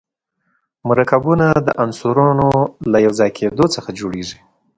مرکبونه د عنصرونو له یو ځای کېدو څخه جوړیږي.